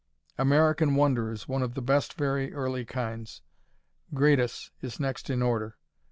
American Wonder is one of the best very early kinds. Gradus is next in order.